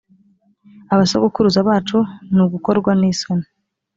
abasogokuruza bacu ni ugukorwa n isoni